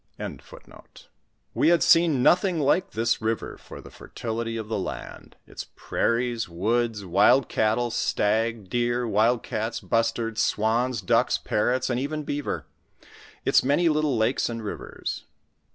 * We had seen nothing like this river for the fertility of the land, its prairies, woods, wild cattle, stag, deer, wild* cats, bustards, swans, ducks, parrots, and even beaver; its many little lakes and rivers.